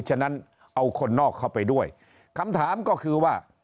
ฉะนั้นเอาคนนอกเข้าไปด้วยคำถามก็คือว่า